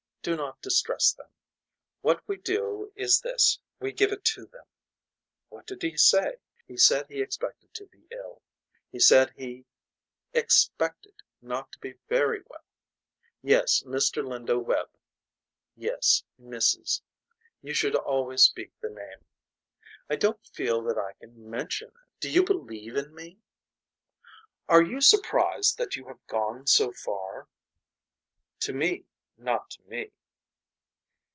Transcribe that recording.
Do not distress them. What we do is this we give it to them. What did he say. He said he expected to be ill. He said he said he expected not to be very well. Yes Mr. Lindo Webb. Yes Mrs. You should always speak the name. I don't feel that I can mention it. Do you believe in me. Are you surprised that you have gone so far. To me not to me.